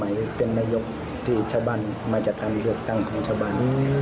คือเป็นที่กลักษณ์ของชาวบ้าน